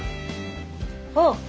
あっ。